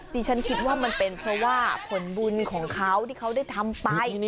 ดิฉันคิดว่ามันเป็นเพราะว่าผลบุญของเขาที่เขาได้ทำไป